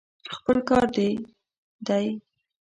خپل کار دې دی.